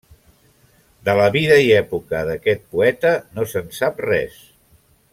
De la vida i època d'aquest poeta no se'n sap res.